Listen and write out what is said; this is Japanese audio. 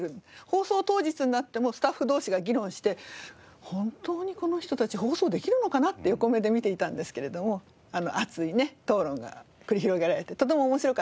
放送当日になってもスタッフ同士が議論して本当にこの人たち放送できるのかな？って横目で見ていたんですけれども熱いね討論が繰り広げられてとても面白かったです。